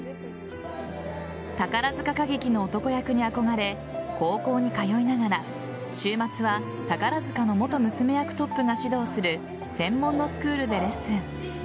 宝塚歌劇の男役に憧れ高校に通いながら週末は宝塚の元娘役トップが指導する専門のスクールでレッスン。